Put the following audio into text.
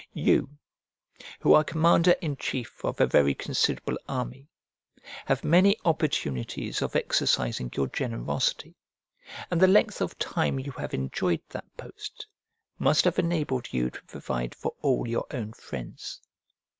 You, who are commander in chief of a very considerable army, have many opportunities of exercising your generosity; and the length of time you have enjoyed that post must have enabled you to provide for all your own friends.